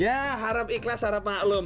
ya harap ikhlas harap maklum